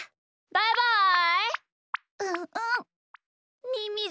バイバイ！